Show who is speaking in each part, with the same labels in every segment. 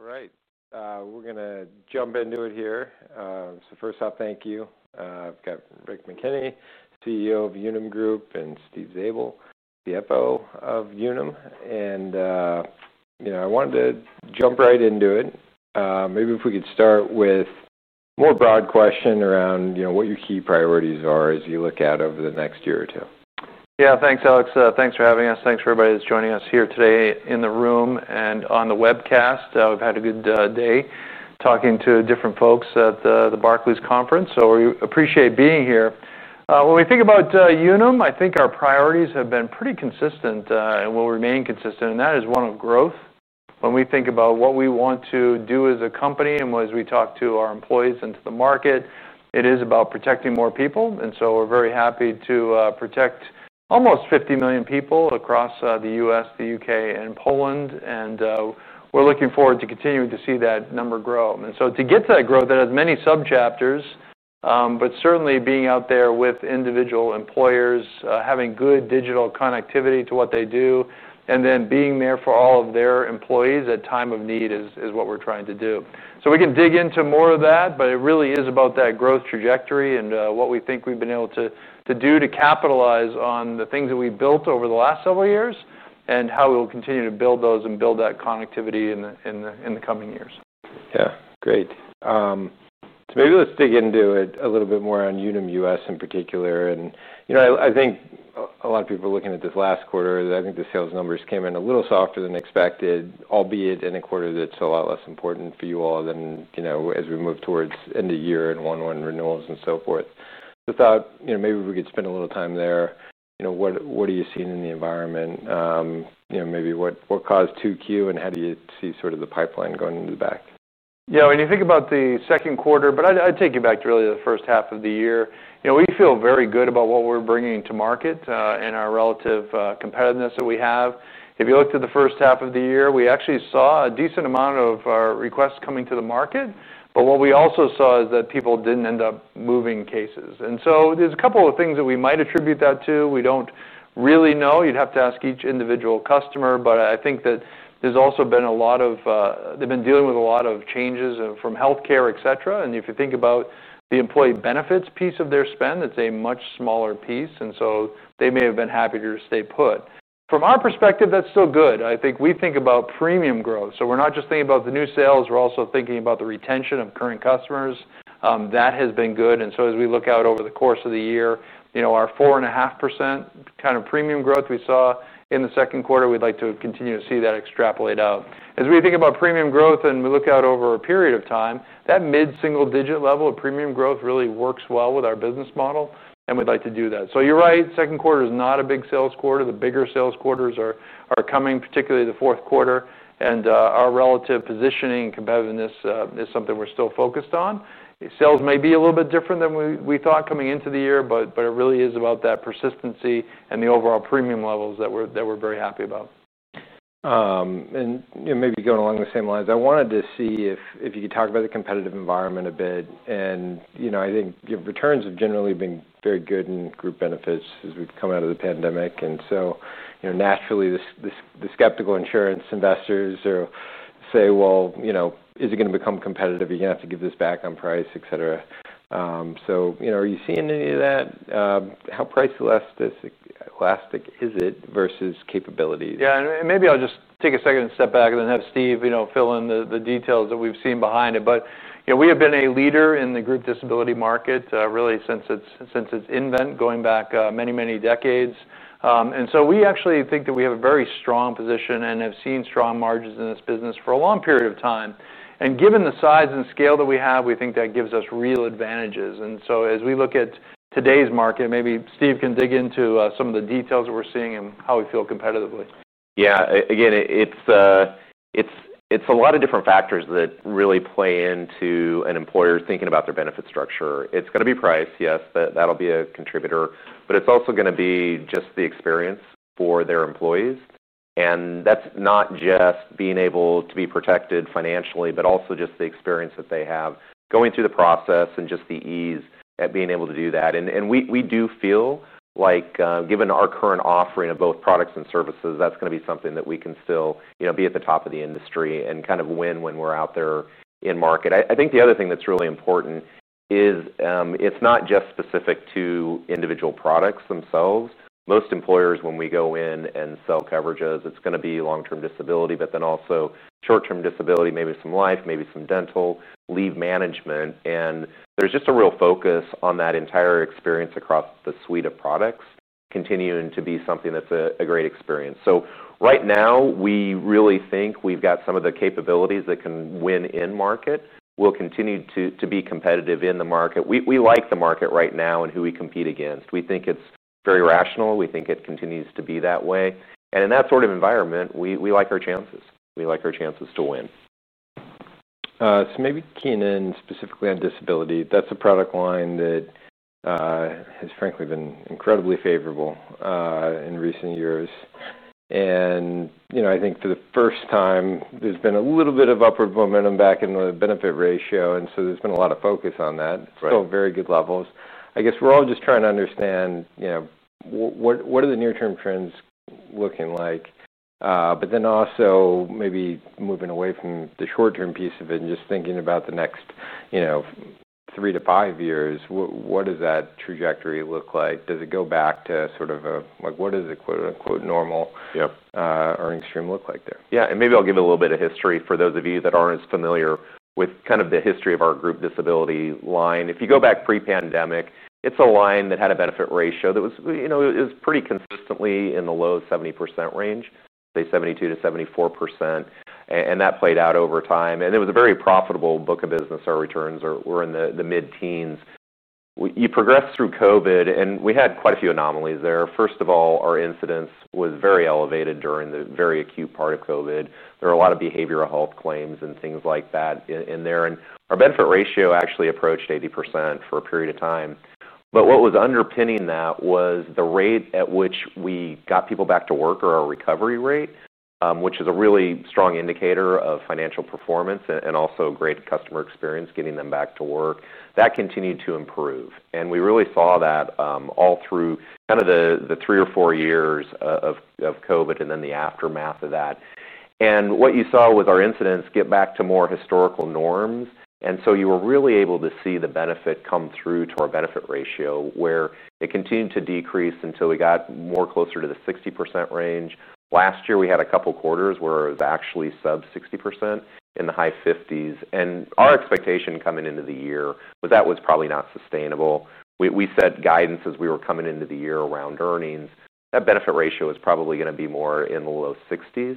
Speaker 1: All right. We're going to jump into it here. First off, thank you. I've got Rick McKenney, CEO of Unum Group, and Steve Zabel, CFO of Unum. I wanted to jump right into it. Maybe if we could start with a more broad question around what your key priorities are as you look out over the next year or two.
Speaker 2: Yeah. Thanks, Alex. Thanks for having us. Thanks for everybody that's joining us here today in the room and on the webcast. We've had a good day talking to different folks at the Barclays conference. We appreciate being here. When we think about Unum Group, I think our priorities have been pretty consistent and will remain consistent, and that is one of growth. When we think about what we want to do as a company and as we talk to our employees and to the market, it is about protecting more people. We're very happy to protect almost 50 million people across the U.S., the U.K., and Poland. We're looking forward to continuing to see that number grow. To get to that growth, that has many subchapters, but certainly being out there with individual employers, having good digital connectivity to what they do, and then being there for all of their employees at time of need is what we're trying to do. We can dig into more of that, but it really is about that growth trajectory and what we think we've been able to do to capitalize on the things that we built over the last several years and how we will continue to build those and build that connectivity in the coming years.
Speaker 1: Yeah. Great. Maybe let's dig into it a little bit more on Unum US in particular. I think a lot of people are looking at this last quarter. I think the sales numbers came in a little softer than expected, albeit in a quarter that's a lot less important for you all than as we move towards end of year and one-on-one renewals and so forth. Thought maybe we could spend a little time there. What are you seeing in the environment? Maybe what caused 2Q and how do you see sort of the pipeline going into the back?
Speaker 2: Yeah. When you think about the second quarter, I'd take you back to really the first half of the year. You know, we feel very good about what we're bringing to market, and our relative competitiveness that we have. If you looked at the first half of the year, we actually saw a decent amount of requests coming to the market. What we also saw is that people didn't end up moving cases. There are a couple of things that we might attribute that to. We don't really know. You'd have to ask each individual customer, but I think that they've also been dealing with a lot of changes from healthcare, etcetera. If you think about the employee benefits piece of their spend, that's a much smaller piece, and they may have been happier to stay put. From our perspective, that's still good. I think we think about premium growth. We're not just thinking about the new sales. We're also thinking about the retention of current customers. That has been good. As we look out over the course of the year, our 4.5% kind of premium growth we saw in the second quarter, we'd like to continue to see that extrapolate out. As we think about premium growth and we look out over a period of time, that mid-single-digit level of premium growth really works well with our business model, and we'd like to do that. You're right. Second quarter is not a big sales quarter. The bigger sales quarters are coming, particularly the fourth quarter, and our relative positioning and competitiveness is something we're still focused on. Sales may be a little bit different than we thought coming into the year, but it really is about that persistency and the overall premium levels that we're very happy about.
Speaker 1: Maybe going along the same lines, I wanted to see if you could talk about the competitive environment a bit. I think your returns have generally been very good in group benefits as we've come out of the pandemic. Naturally, there are the skeptical insurance investors who say, is it going to become competitive? You're going to have to give this back on price, etcetera. Are you seeing any of that? How price elastic is it versus capabilities?
Speaker 2: Yeah. Maybe I'll just take a second and step back and then have Steve, you know, fill in the details that we've seen behind it. We have been a leader in the group disability market, really since its invent, going back many, many decades. We actually think that we have a very strong position and have seen strong margins in this business for a long period of time. Given the size and scale that we have, we think that gives us real advantages. As we look at today's market, maybe Steve can dig into some of the details that we're seeing and how we feel competitively.
Speaker 3: Yeah. Again, it's a lot of different factors that really play into an employer thinking about their benefit structure. It's going to be price. Yes, that'll be a contributor. It's also going to be just the experience for their employees. That's not just being able to be protected financially, but also just the experience that they have going through the process and the ease at being able to do that. We do feel like, given our current offering of both products and services, that's going to be something that we can still be at the top of the industry and kind of win when we're out there in market. I think the other thing that's really important is it's not just specific to individual products themselves. Most employers, when we go in and sell coverages, it's going to be long-term disability, but then also short-term disability, maybe some life, maybe some dental, leave management. There's just a real focus on that entire experience across the suite of products, continuing to be something that's a great experience. Right now, we really think we've got some of the capabilities that can win in market. We'll continue to be competitive in the market. We like the market right now and who we compete against. We think it's very rational. We think it continues to be that way. In that sort of environment, we like our chances. We like our chances to win.
Speaker 1: Maybe keying in specifically on disability, that's a product line that has frankly been incredibly favorable in recent years. I think for the first time, there's been a little bit of upward momentum back in the benefit ratio, and so there's been a lot of focus on that.
Speaker 3: Right.
Speaker 1: It's still very good levels. I guess we're all just trying to understand what are the near-term trends looking like, but then also maybe moving away from the short-term piece of it and just thinking about the next 3 to 5 years, what does that trajectory look like? Does it go back to sort of a, like, what does the quote unquote normal?
Speaker 3: Yeah.
Speaker 1: earning stream look like there?
Speaker 3: Yeah. Maybe I'll give you a little bit of history for those of you that aren't as familiar with kind of the history of our group disability line. If you go back pre-pandemic, it's a line that had a benefit ratio that was pretty consistently in the low 70% range, say 72% to 74%. That played out over time. It was a very profitable book of business. Our returns were in the mid-teens. You progressed through COVID, and we had quite a few anomalies there. First of all, our incidence was very elevated during the very acute part of COVID. There were a lot of behavioral health claims and things like that in there. Our benefit ratio actually approached 80% for a period of time. What was underpinning that was the rate at which we got people back to work or our recovery rate, which is a really strong indicator of financial performance and also great customer experience getting them back to work. That continued to improve. We really saw that all through the 3 or 4 years of COVID and then the aftermath of that. You saw our incidence get back to more historical norms. You were really able to see the benefit come through to our benefit ratio where it continued to decrease until we got more closer to the 60% range. Last year, we had a couple quarters where it was actually sub 60% in the high fifties. Our expectation coming into the year was that was probably not sustainable. We set guidance as we were coming into the year around earnings. That benefit ratio was probably going to be more in the low sixties.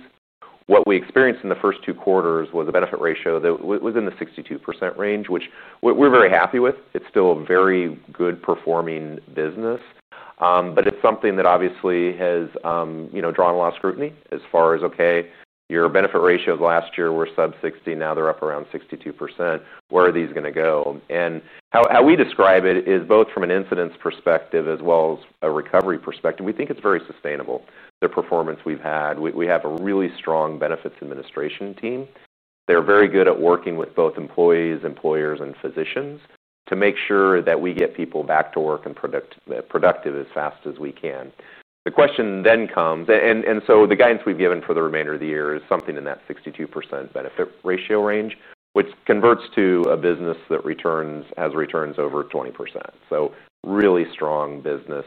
Speaker 3: What we experienced in the first two quarters was a benefit ratio that was in the 62% range, which we're very happy with. It's still a very good performing business. It's something that obviously has drawn a lot of scrutiny as far as, okay, your benefit ratio of the last year were sub 60%. Now they're up around 62%. Where are these going to go? How we describe it is both from an incidence perspective as well as a recovery perspective. We think it's very sustainable, the performance we've had. We have a really strong benefits administration team. They're very good at working with both employees, employers, and physicians to make sure that we get people back to work and productive as fast as we can. The question then comes, and so the guidance we've given for the remainder of the year is something in that 62% benefit ratio range, which converts to a business that returns, has returns over 20%. Really strong business.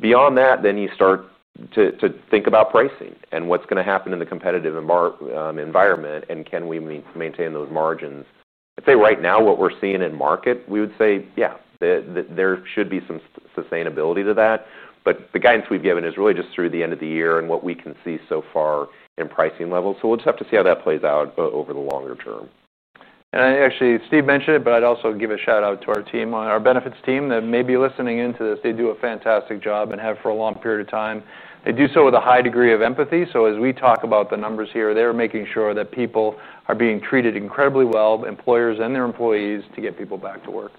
Speaker 3: Beyond that, then you start to think about pricing and what's going to happen in the competitive environment, and can we maintain those margins? I'd say right now what we're seeing in market, we would say, yeah, that there should be some sustainability to that. The guidance we've given is really just through the end of the year and what we can see so far in pricing levels. We'll just have to see how that plays out over the longer term.
Speaker 2: Steve mentioned it, but I'd also give a shout out to our team on our Benefits team that may be listening into this. They do a fantastic job and have for a long period of time. They do so with a high degree of empathy. As we talk about the numbers here, they're making sure that people are being treated incredibly well, employers and their employees, to get people back to work.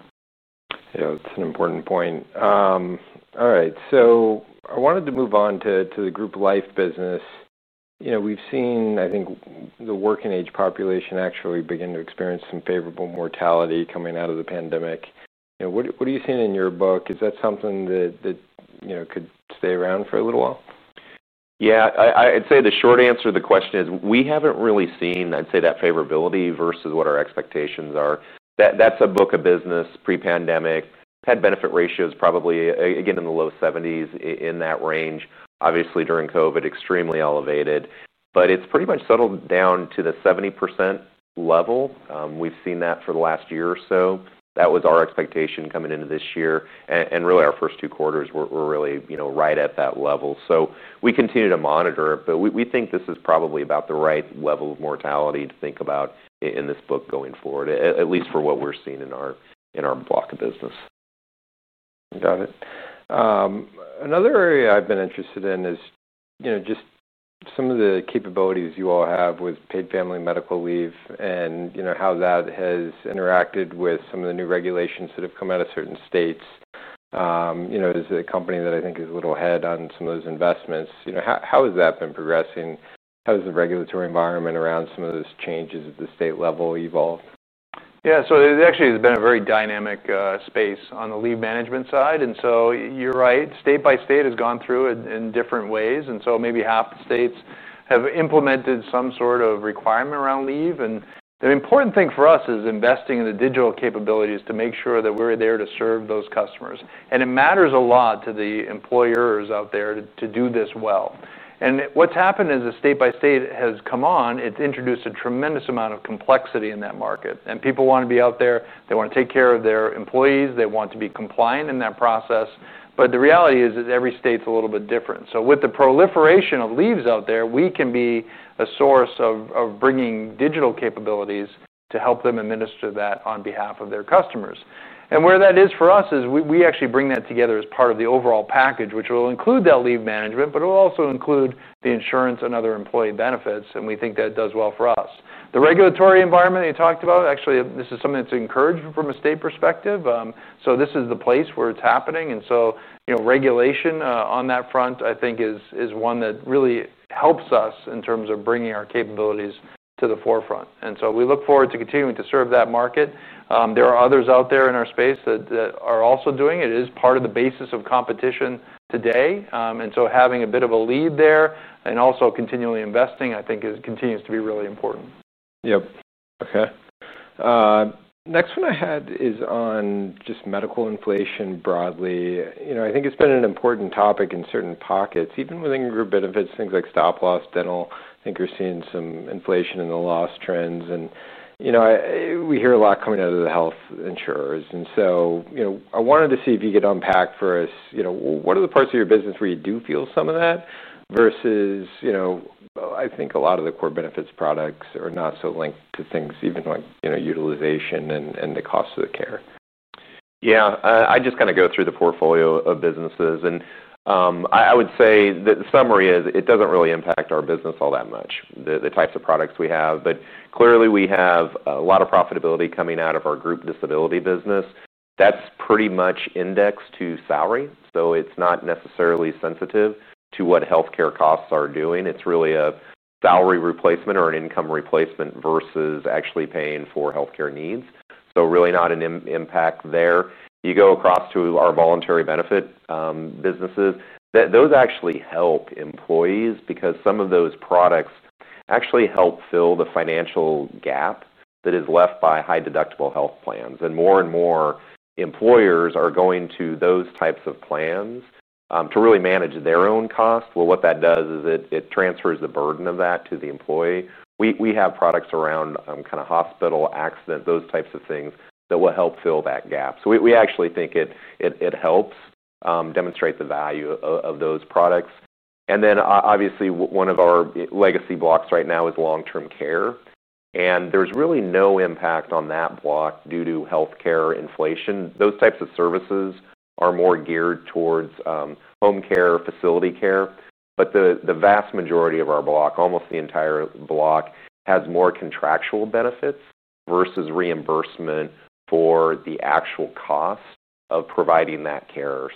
Speaker 1: Yeah. It's an important point. All right. I wanted to move on to the group life business. You know, we've seen, I think, the working age population actually begin to experience some favorable mortality coming out of the pandemic. You know, what are you seeing in your book? Is that something that could stay around for a little while?
Speaker 3: Yeah. I'd say the short answer to the question is we haven't really seen, I'd say, that favorability versus what our expectations are. That's a book of business pre-pandemic. PEG benefit ratio is probably, again, in the low seventies in that range. Obviously, during COVID, extremely elevated. It's pretty much settled down to the 70% level. We've seen that for the last year or so. That was our expectation coming into this year. Really, our first two quarters were really, you know, right at that level. We continue to monitor it. We think this is probably about the right level of mortality to think about in this book going forward, at least for what we're seeing in our block of business.
Speaker 2: Got it. Another area I've been interested in is, you know, just some of the capabilities you all have with paid family medical leave and, you know, how that has interacted with some of the new regulations that have come out of certain states. You know, as a company that I think is a little ahead on some of those investments, you know, how has that been progressing? How has the regulatory environment around some of those changes at the state level evolved? Yeah. It actually has been a very dynamic space on the leave management side. You're right. State by state has gone through it in different ways. Maybe half the states have implemented some sort of requirement around leave. The important thing for us is investing in the digital capabilities to make sure that we're there to serve those customers. It matters a lot to the employers out there to do this well. What's happened is the state by state has come on, it's introduced a tremendous amount of complexity in that market. People want to be out there. They want to take care of their employees. They want to be compliant in that process. The reality is that every state's a little bit different. With the proliferation of leaves out there, we can be a source of bringing digital capabilities to help them administer that on behalf of their customers. Where that is for us is we actually bring that together as part of the overall package, which will include that leave management, but it will also include the insurance and other employee benefits. We think that does well for us. The regulatory environment that you talked about, actually, this is something that's encouraged from a state perspective. This is the place where it's happening. Regulation on that front, I think, is one that really helps us in terms of bringing our capabilities to the forefront. We look forward to continuing to serve that market. There are others out there in our space that are also doing it. It is part of the basis of competition today, and having a bit of a lead there and also continually investing, I think, continues to be really important.
Speaker 1: Yep. Okay. Next one I had is on just medical inflation broadly. I think it's been an important topic in certain pockets. Even within group benefits, things like stop loss, dental, I think you're seeing some inflation in the loss trends. We hear a lot coming out of the health insurers. I wanted to see if you could unpack for us what are the parts of your business where you do feel some of that versus, I think a lot of the core benefits products are not so linked to things even like utilization and the cost of the care.
Speaker 3: Yeah. I just kind of go through the portfolio of businesses. I would say that the summary is it doesn't really impact our business all that much, the types of products we have. Clearly, we have a lot of profitability coming out of our group disability business. That's pretty much indexed to salary, so it's not necessarily sensitive to what healthcare costs are doing. It's really a salary replacement or an income replacement versus actually paying for healthcare needs, so really not an impact there. You go across to our voluntary benefit businesses. Those actually help employees because some of those products actually help fill the financial gap that is left by high deductible health plans. More and more employers are going to those types of plans to really manage their own cost. What that does is it transfers the burden of that to the employee. We have products around kind of hospital, accident, those types of things that will help fill that gap. We actually think it helps demonstrate the value of those products. Obviously, one of our legacy blocks right now is long-term care. There's really no impact on that block due to healthcare inflation. Those types of services are more geared towards home care, facility care, but the vast majority of our block, almost the entire block, has more contractual benefits versus reimbursement for the actual cost of providing that care.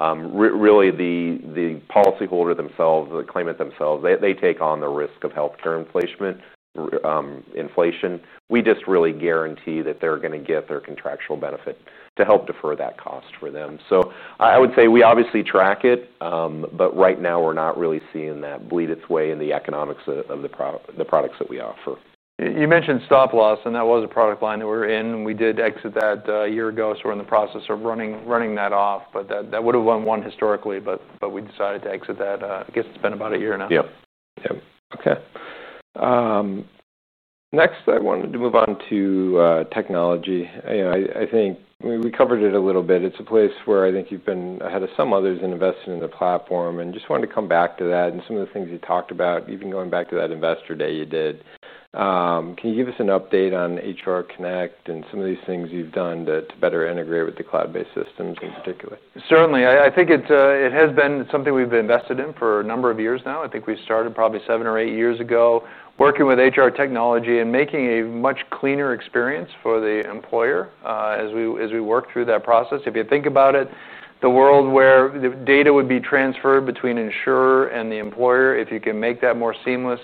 Speaker 3: Really, the policyholder themselves, the claimant themselves, they take on the risk of healthcare inflation. We just really guarantee that they're going to get their contractual benefit to help defer that cost for them. I would say we obviously track it, but right now, we're not really seeing that bleed its way in the economics of the products that we offer.
Speaker 2: You mentioned stop loss, and that was a product line that we're in. We did exit that a year ago. We're in the process of running that off. That would have been one historically, but we decided to exit that. I guess it's been about a year now.
Speaker 1: Yep. Yep. Okay. Next, I wanted to move on to technology. I think we covered it a little bit. It's a place where I think you've been ahead of some others in investing in the platform. I just wanted to come back to that and some of the things you talked about, even going back to that investor day you did. Can you give us an update on HR Connect and some of these things you've done to better integrate with the cloud-based systems in particular?
Speaker 2: Certainly. I think it's, it has been something we've invested in for a number of years now. I think we started probably 7 or 8 years ago working with HR technology and making a much cleaner experience for the employer, as we work through that process. If you think about it, the world where the data would be transferred between an insurer and the employer, if you can make that more seamless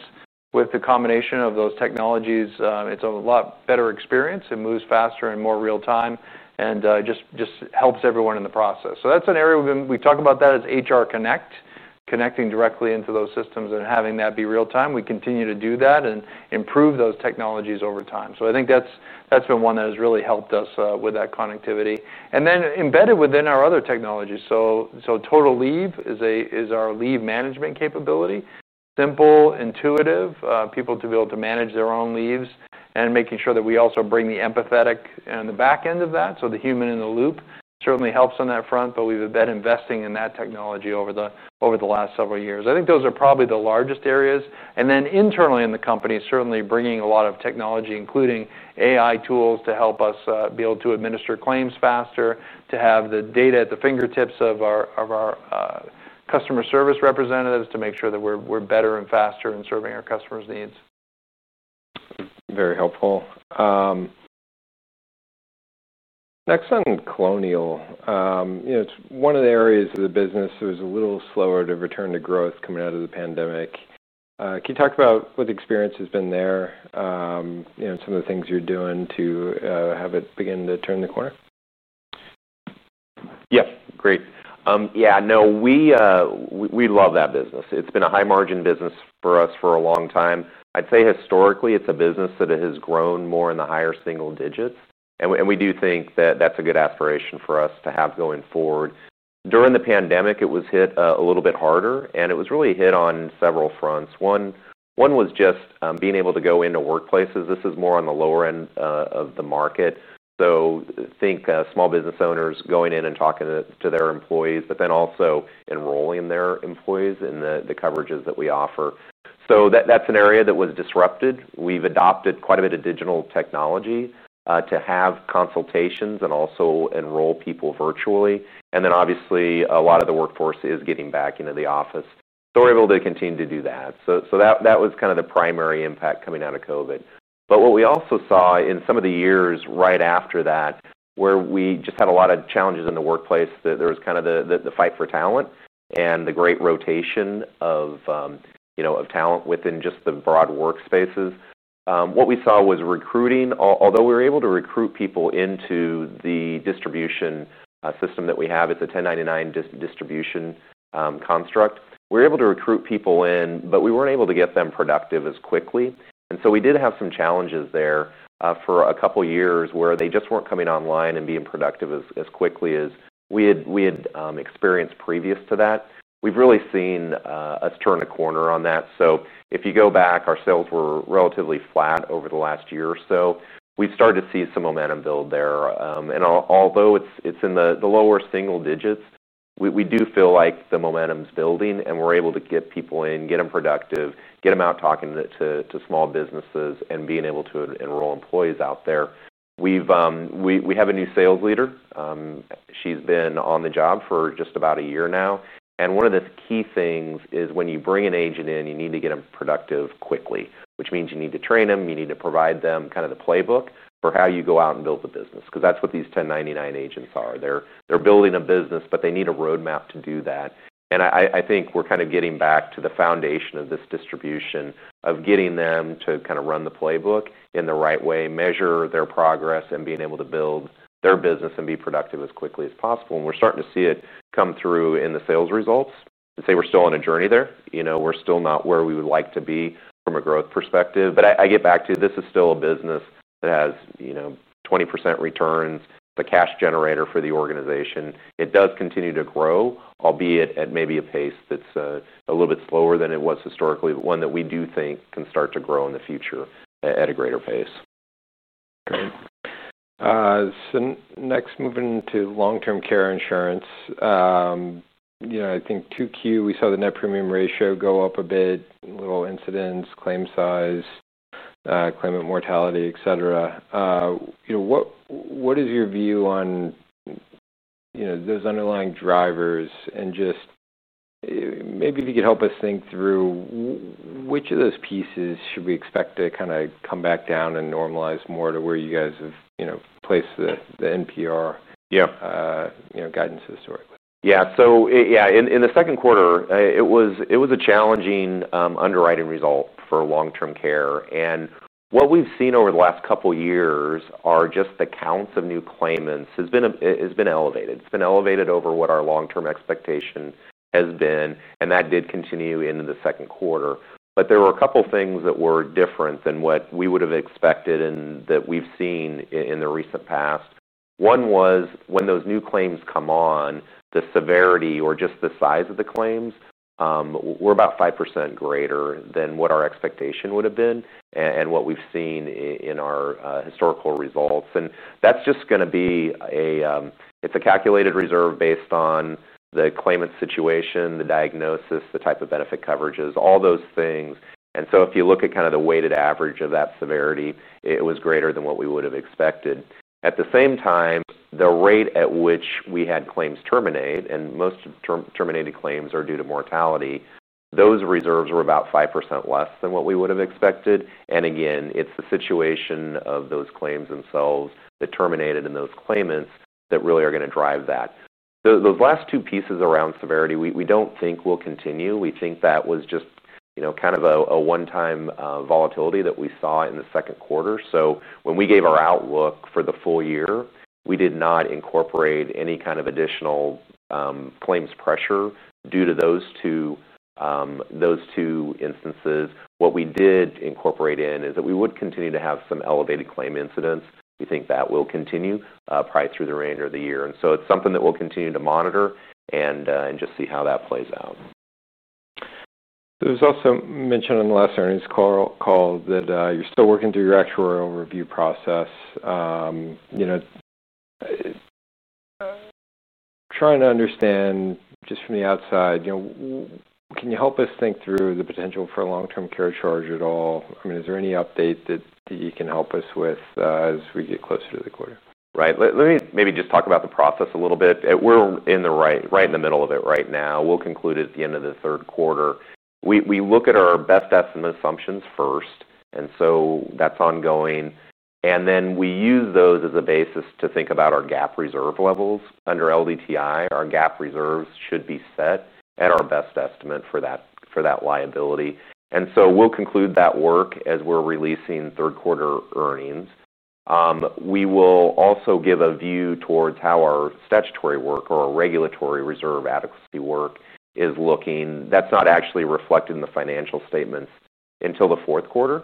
Speaker 2: with the combination of those technologies, it's a lot better experience. It moves faster and more real-time, and just helps everyone in the process. That's an area we've talked about as HR Connect, connecting directly into those systems and having that be real-time. We continue to do that and improve those technologies over time. I think that's been one that has really helped us with that connectivity, and then embedded within our other technologies. Total Leave is our leave management capability. Simple, intuitive, people to be able to manage their own leaves and making sure that we also bring the empathetic on the back end of that. The human in the loop certainly helps on that front, but we've been investing in that technology over the last several years. I think those are probably the largest areas. Internally in the company, certainly bringing a lot of technology, including AI tools to help us be able to administer claims faster, to have the data at the fingertips of our customer service representatives to make sure that we're better and faster in serving our customers' needs.
Speaker 1: Very helpful. Next, on Colonial Life, you know, it's one of the areas of the business that was a little slower to return to growth coming out of the pandemic. Can you talk about what the experience has been there? You know, some of the things you're doing to have it begin to turn the corner?
Speaker 3: Yeah. Great. Yeah. No. We love that business. It's been a high-margin business for us for a long time. I'd say historically, it's a business that has grown more in the higher single digits. We do think that that's a good aspiration for us to have going forward. During the pandemic, it was hit a little bit harder, and it was really hit on several fronts. One was just being able to go into workplaces. This is more on the lower end of the market. I think small business owners going in and talking to their employees, but then also enrolling their employees in the coverages that we offer. That's an area that was disrupted. We've adopted quite a bit of digital technology to have consultations and also enroll people virtually. Obviously, a lot of the workforce is getting back into the office. We're able to continue to do that. That was kind of the primary impact coming out of COVID. What we also saw in some of the years right after that, where we just had a lot of challenges in the workplace, there was kind of the fight for talent and the great rotation of talent within just the broad workspaces. What we saw was recruiting, although we were able to recruit people into the distribution system that we have. It's a 1099 distribution construct. We were able to recruit people in, but we weren't able to get them productive as quickly. We did have some challenges there for a couple years where they just weren't coming online and being productive as quickly as we had experienced previous to that. We've really seen us turn a corner on that. If you go back, our sales were relatively flat over the last year or so. We've started to see some momentum build there, and although it's in the lower single digits, we do feel like the momentum's building, and we're able to get people in, get them productive, get them out talking to small businesses, and being able to enroll employees out there. We have a new sales leader. She's been on the job for just about a year now. One of the key things is when you bring an agent in, you need to get them productive quickly, which means you need to train them. You need to provide them kind of the playbook for how you go out and build the business because that's what these 1099 agents are. They're building a business, but they need a roadmap to do that. I think we're kind of getting back to the foundation of this distribution, getting them to run the playbook in the right way, measure their progress, and being able to build their business and be productive as quickly as possible. We're starting to see it come through in the sales results. I'd say we're still on a journey there. We're still not where we would like to be from a growth perspective. I get back to this is still a business that has 20% returns, the cash generator for the organization. It does continue to grow, albeit at maybe a pace that's a little bit slower than it was historically, but one that we do think can start to grow in the future at a greater pace.
Speaker 1: Great. Next, moving to long-term care insurance. I think in 2Q, we saw the net premium ratio go up a bit, little incidents, claim size, claimant mortality, etcetera. What is your view on those underlying drivers, and maybe if you could help us think through which of those pieces should we expect to come back down and normalize more to where you guys have placed the NPR.
Speaker 3: Yeah.
Speaker 1: You know, guidance of the story.
Speaker 3: Yeah. In the second quarter, it was a challenging underwriting result for long-term care. What we've seen over the last couple years are just the counts of new claimants has been elevated. It's been elevated over what our long-term expectation has been. That did continue into the second quarter. There were a couple things that were different than what we would have expected and that we've seen in the recent past. One was when those new claims come on, the severity or just the size of the claims, were about 5% greater than what our expectation would have been and what we've seen in our historical results. That's just going to be a calculated reserve based on the claimant's situation, the diagnosis, the type of benefit coverages, all those things. If you look at kind of the weighted average of that severity, it was greater than what we would have expected. At the same time, the rate at which we had claims terminate, and most of the terminated claims are due to mortality, those reserves were about 5% less than what we would have expected. It's the situation of those claims themselves that terminated in those claimants that really are going to drive that. Those last two pieces around severity, we don't think will continue. We think that was just, you know, kind of a one-time volatility that we saw in the second quarter. When we gave our outlook for the full year, we did not incorporate any kind of additional claims pressure due to those two instances. What we did incorporate in is that we would continue to have some elevated claim incidents. We think that will continue, probably through the remainder of the year. It's something that we'll continue to monitor and just see how that plays out.
Speaker 2: There was also mention in the last earnings call that you're still working through your actuarial review process. You know, trying to understand just from the outside, can you help us think through the potential for a long-term care charge at all? I mean, is there any update that you can help us with as we get closer to the quarter?
Speaker 3: Right. Let me maybe just talk about the process a little bit. We're right in the middle of it right now. We'll conclude at the end of the third quarter. We look at our best estimate assumptions first, and that's ongoing. Then we use those as a basis to think about our GAAP reserve levels under LDTI. Our GAAP reserves should be set at our best estimate for that liability. We'll conclude that work as we're releasing third quarter earnings. We will also give a view towards how our statutory work or our regulatory reserve adequacy work is looking. That's not actually reflected in the financial statements until the fourth quarter,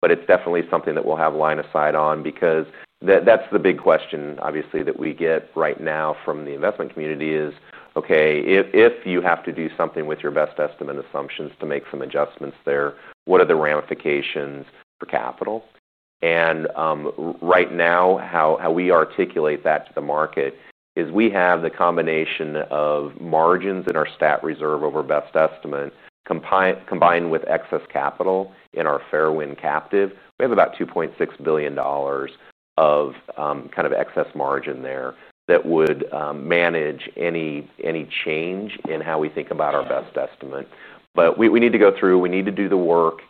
Speaker 3: but it's definitely something that we'll have line of sight on because that's the big question, obviously, that we get right now from the investment community: if you have to do something with your best estimate assumptions to make some adjustments there, what are the ramifications for capital? Right now, how we articulate that to the market is we have the combination of margins in our stat reserve over best estimate combined with excess capital in our Fairwind captive. We have about $2.6 billion of kind of excess margin there that would manage any change in how we think about our best estimate. We need to go through, we need to do the work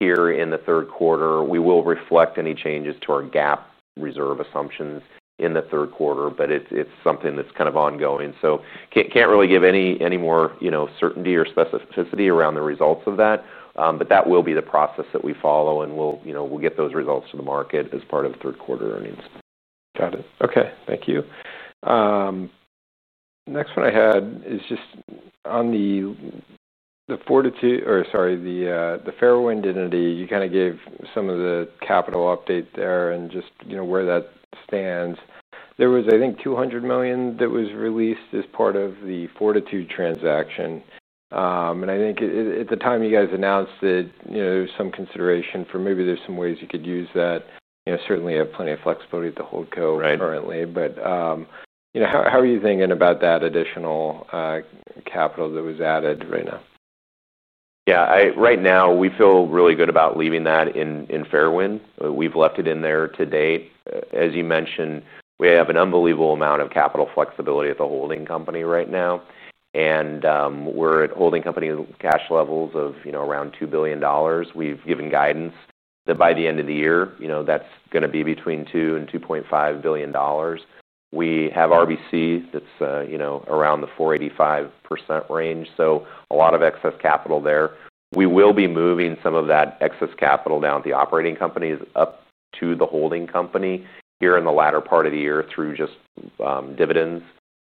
Speaker 3: here in the third quarter. We will reflect any changes to our GAAP reserve assumptions in the third quarter, but it's something that's kind of ongoing. Can't really give any more certainty or specificity around the results of that. That will be the process that we follow, and we'll get those results to the market as part of third quarter earnings.
Speaker 2: Got it. Okay. Thank you. Next one I had is just on the Fortitude or, sorry, the Fairwind entity. You kinda gave some of the capital update there and just, you know, where that stands. There was, I think, $200 million that was released as part of the Fortitude transaction, and I think at the time, you guys announced that, you know, there's some consideration for maybe there's some ways you could use that. You know, certainly, you have plenty of flexibility at the holdco.
Speaker 3: Right.
Speaker 2: How are you thinking about that additional capital that was added right now?
Speaker 3: Yeah. Right now, we feel really good about leaving that in Fairwind. We've left it in there to date. As you mentioned, we have an unbelievable amount of capital flexibility at the holding company right now, and we're at holding company cash levels of, you know, around $2 billion. We've given guidance that by the end of the year, you know, that's going to be between $2 billion and $2.5 billion. We have RBC that's, you know, around the 485% range, so a lot of excess capital there. We will be moving some of that excess capital down at the operating company up to the holding company here in the latter part of the year through just dividends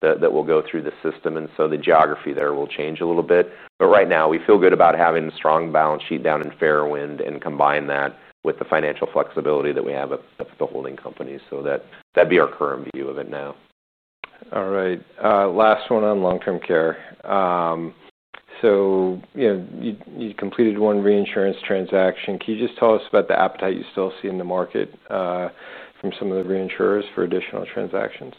Speaker 3: that will go through the system. The geography there will change a little bit. Right now, we feel good about having a strong balance sheet down in Fairwind and combine that with the financial flexibility that we have at the holding company. That'd be our current view of it now.
Speaker 2: All right. Last one on long-term care. You completed one reinsurance transaction. Can you just tell us about the appetite you still see in the market, from some of the reinsurers for additional transactions?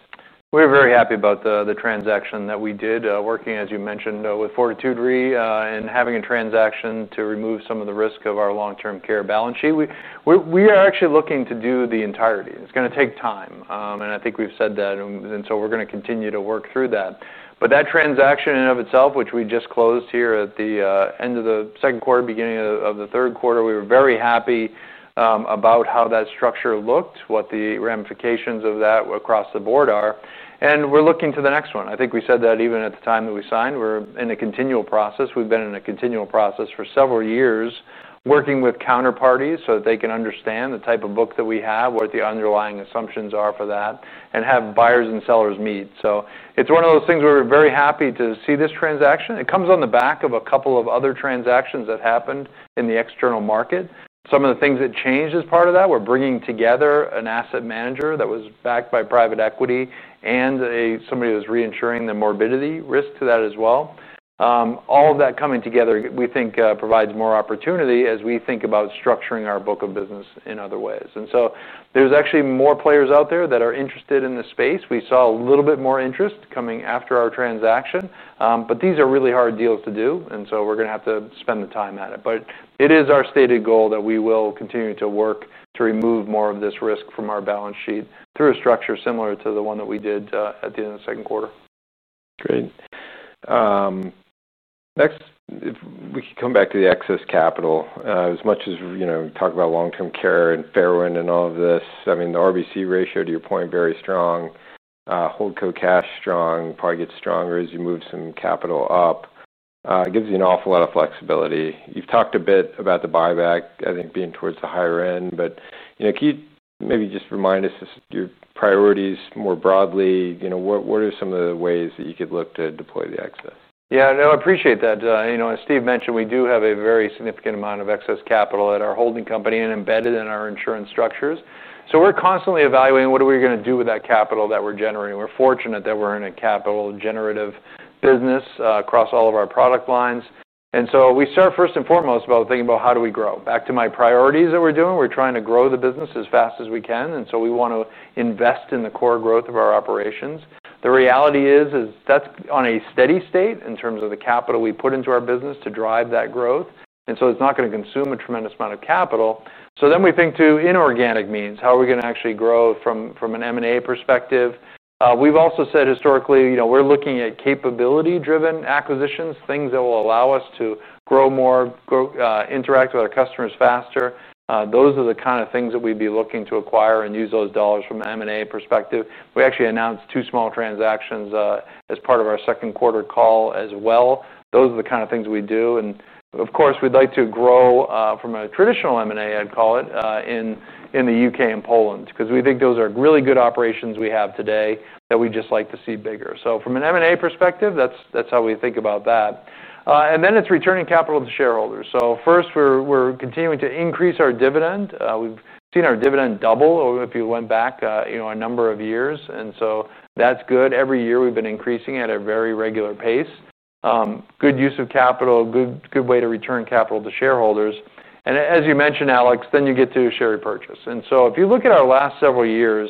Speaker 2: We're very happy about the transaction that we did, working, as you mentioned, with Fortitude Re and having a transaction to remove some of the risk of our long-term care balance sheet. We are actually looking to do the entirety. It's going to take time. I think we've said that, and we're going to continue to work through that. That transaction in and of itself, which we just closed here at the end of the second quarter, beginning of the third quarter, we were very happy about how that structure looked, what the ramifications of that across the board are. We're looking to the next one. I think we said that even at the time that we signed, we're in a continual process. We've been in a continual process for several years working with counterparties so that they can understand the type of book that we have, what the underlying assumptions are for that, and have buyers and sellers meet. It's one of those things where we're very happy to see this transaction. It comes on the back of a couple of other transactions that happened in the external market. Some of the things that changed as part of that, we're bringing together an asset manager that was backed by private equity and somebody that was reinsuring the morbidity risk to that as well. All of that coming together, we think, provides more opportunity as we think about structuring our book of business in other ways. There's actually more players out there that are interested in the space. We saw a little bit more interest coming after our transaction. These are really hard deals to do. We're going to have to spend the time at it. It is our stated goal that we will continue to work to remove more of this risk from our balance sheet through a structure similar to the one that we did at the end of the second quarter.
Speaker 1: Great. Next, if we could come back to the excess capital, as much as, you know, we talk about long-term care and Fairwind and all of this. I mean, the RBC ratio, to your point, very strong. Holdco cash strong, probably gets stronger as you move some capital up. It gives you an awful lot of flexibility. You've talked a bit about the buyback, I think, being towards the higher end. You know, can you maybe just remind us of your priorities more broadly? What are some of the ways that you could look to deploy the excess?
Speaker 2: Yeah. No. I appreciate that. As Steve mentioned, we do have a very significant amount of excess capital at our holding company and embedded in our insurance structures. We are constantly evaluating what are we going to do with that capital that we're generating. We're fortunate that we're in a capital-generative business, across all of our product lines. We start first and foremost about thinking about how do we grow. Back to my priorities that we're doing, we're trying to grow the business as fast as we can. We want to invest in the core growth of our operations. The reality is that's on a steady state in terms of the capital we put into our business to drive that growth, and it's not going to consume a tremendous amount of capital. We then think to inorganic means. How are we going to actually grow from an M&A perspective? We've also said historically, we're looking at capability-driven acquisitions, things that will allow us to grow more, grow, interact with our customers faster. Those are the kind of things that we'd be looking to acquire and use those dollars from an M&A perspective. We actually announced two small transactions as part of our second quarter call as well. Those are the kind of things we do. Of course, we'd like to grow from a traditional M&A, I'd call it, in the UK and Poland because we think those are really good operations we have today that we'd just like to see bigger. From an M&A perspective, that's how we think about that. Then it's returning capital to shareholders. First, we're continuing to increase our dividend. We've seen our dividend double if you went back, you know, a number of years. That's good. Every year, we've been increasing at a very regular pace. Good use of capital, good way to return capital to shareholders. As you mentioned, Alex, then you get to share repurchase. If you look at our last several years,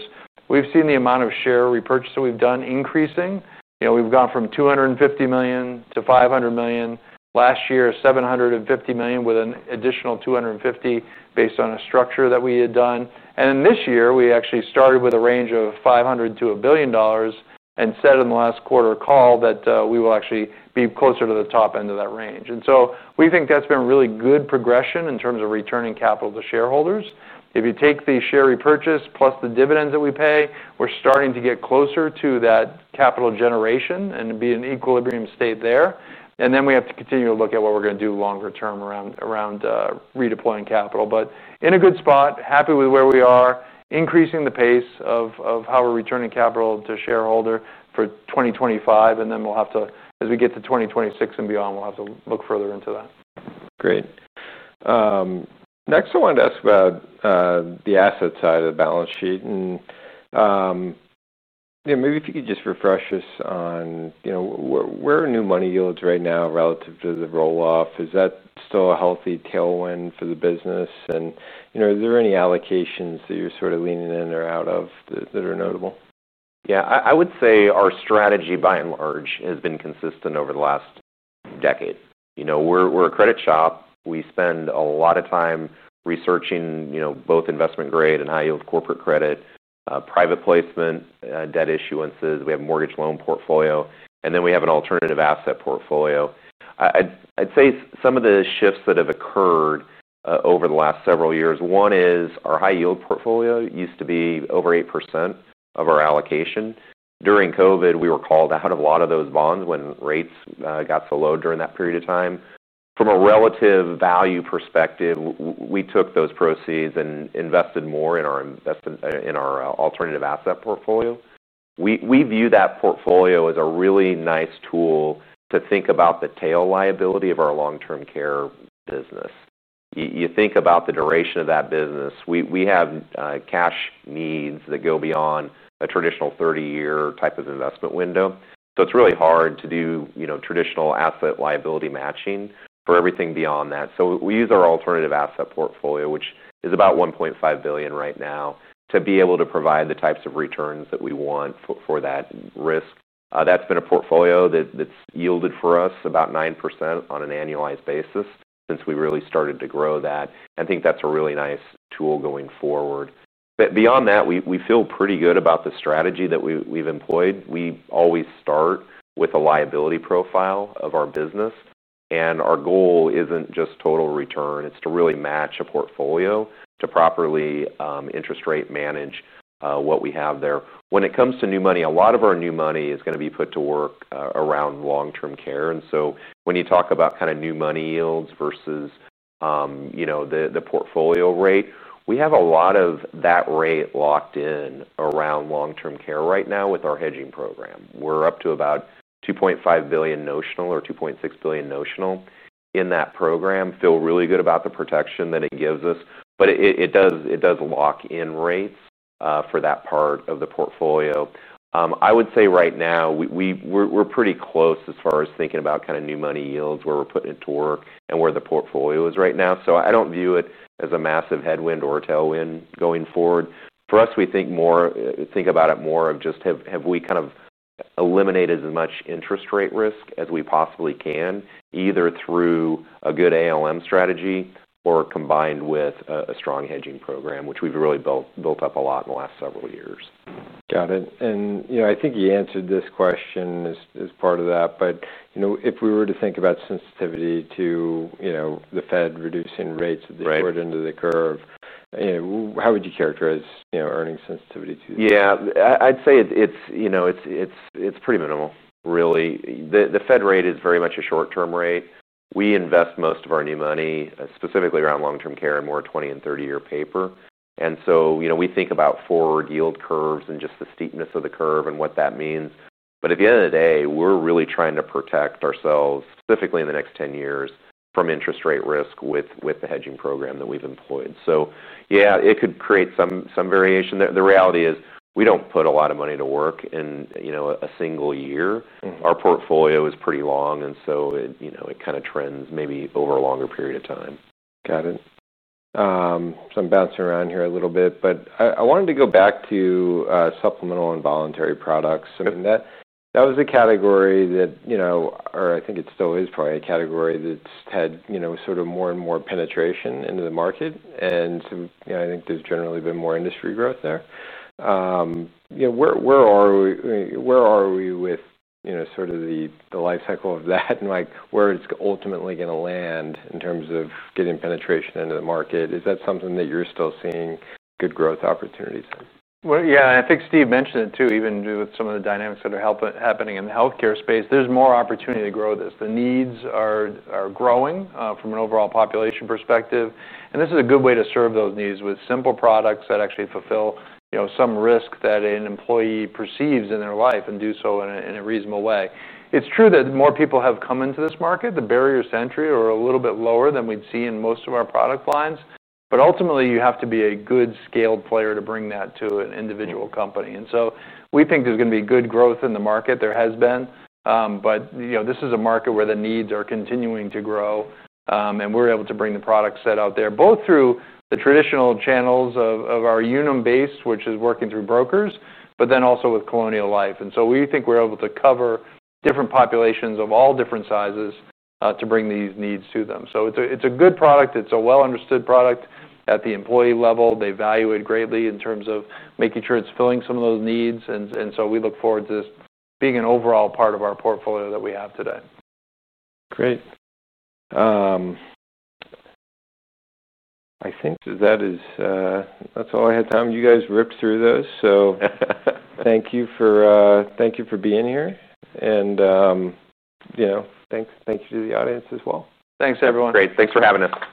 Speaker 2: we've seen the amount of share repurchase that we've done increasing. We've gone from $250 million to $500 million. Last year, $750 million with an additional $250 million based on a structure that we had done. This year, we actually started with a range of $500 million to $1 billion and said in the last quarter call that we will actually be closer to the top end of that range. We think that's been a really good progression in terms of returning capital to shareholders. If you take the share repurchase plus the dividends that we pay, we're starting to get closer to that capital generation and be in an equilibrium state there. We have to continue to look at what we're going to do longer term around redeploying capital. In a good spot, happy with where we are, increasing the pace of how we're returning capital to shareholder for 2025. As we get to 2026 and beyond, we'll have to look further into that.
Speaker 1: Great. Next, I wanted to ask about the asset side of the balance sheet. Maybe if you could just refresh us on where new money yields are right now relative to the roll-off. Is that still a healthy tailwind for the business? Are there any allocations that you're sort of leaning in or out of that are notable?
Speaker 3: Yeah. I would say our strategy by and large has been consistent over the last decade. You know, we're a credit shop. We spend a lot of time researching both investment grade and high yield corporate credit, private placement, debt issuances. We have a mortgage loan portfolio, and then we have an alternative asset portfolio. I'd say some of the shifts that have occurred over the last several years, one is our high yield portfolio used to be over 8% of our allocation. During COVID, we were called out of a lot of those bonds when rates got so low during that period of time. From a relative value perspective, we took those proceeds and invested more in our alternative asset portfolio. We view that portfolio as a really nice tool to think about the tail liability of our long-term care business. You think about the duration of that business. We have cash needs that go beyond a traditional 30-year type of investment window. It's really hard to do traditional asset liability matching for everything beyond that. We use our alternative asset portfolio, which is about $1.5 billion right now, to be able to provide the types of returns that we want for that risk. That's been a portfolio that's yielded for us about 9% on an annualized basis since we really started to grow that. I think that's a really nice tool going forward. Beyond that, we feel pretty good about the strategy that we've employed. We always start with a liability profile of our business, and our goal isn't just total return. It's to really match a portfolio to properly interest rate manage what we have there. When it comes to new money, a lot of our new money is going to be put to work around long-term care. When you talk about kind of new money yields versus the portfolio rate, we have a lot of that rate locked in around long-term care right now with our hedging program. We're up to about $2.5 billion notional or $2.6 billion notional in that program. Feel really good about the protection that it gives us. It does lock in rates for that part of the portfolio. I would say right now, we're pretty close as far as thinking about kind of new money yields, where we're putting it to work, and where the portfolio is right now. I don't view it as a massive headwind or tailwind going forward. For us, we think about it more as just have we kind of eliminated as much interest rate risk as we possibly can, either through a good ALM strategy or combined with a strong hedging program, which we've really built up a lot in the last several years.
Speaker 1: Got it. I think you answered this question as part of that. If we were to think about sensitivity to the Fed reducing rates at the short end of the curve, how would you characterize earnings sensitivity to you?
Speaker 3: Yeah. I'd say it's, you know, it's pretty minimal, really. The Fed rate is very much a short-term rate. We invest most of our new money, specifically around long-term care, in more 20 and 30-year paper. You know, we think about forward yield curves and just the steepness of the curve and what that means. At the end of the day, we're really trying to protect ourselves, specifically in the next 10 years, from interest rate risk with the hedging program that we've employed. Yeah, it could create some variation there. The reality is we don't put a lot of money to work in a single year. Our portfolio is pretty long, and it kind of trends maybe over a longer period of time.
Speaker 1: Got it. I'm bouncing around here a little bit, but I wanted to go back to supplemental and voluntary products. I mean, that was a category that, you know, or I think it still is probably a category that's had, you know, sort of more and more penetration into the market. I think there's generally been more industry growth there. Where are we with, you know, sort of the life cycle of that and, like, where it's ultimately going to land in terms of getting penetration into the market? Is that something that you're still seeing good growth opportunities in?
Speaker 2: Yeah, I think Steve mentioned it too, even with some of the dynamics that are happening in the healthcare space, there's more opportunity to grow this. The needs are growing, from an overall population perspective. This is a good way to serve those needs with simple products that actually fulfill, you know, some risk that an employee perceives in their life and do so in a reasonable way. It's true that more people have come into this market. The barriers to entry are a little bit lower than we'd see in most of our product lines. Ultimately, you have to be a good scaled player to bring that to an individual company. We think there's going to be good growth in the market. There has been, you know, this is a market where the needs are continuing to grow. We're able to bring the products that are out there, both through the traditional channels of our Unum base, which is working through brokers, but then also with Colonial Life. We think we're able to cover different populations of all different sizes, to bring these needs to them. It's a good product. It's a well-understood product at the employee level. They value it greatly in terms of making sure it's filling some of those needs. We look forward to this being an overall part of our portfolio that we have today.
Speaker 1: Great. I think that is all I had time. You guys ripped through those. Thank you for being here, and thank you to the audience as well.
Speaker 2: Thanks, everyone.
Speaker 3: Great. Thanks for having us.